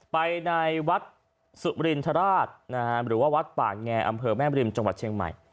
ไปในวัดสุมรินทราชหรือว่าวัดป่าแงอำเภอแม่มริมจังหวัดเชียงใหม่